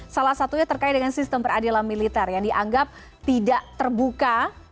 salah satunya terkait dengan sistem peradilan militer yang dianggap tidak terbuka